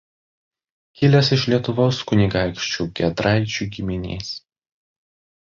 Kilęs iš Lietuvos kunigaikščių Giedraičių giminės.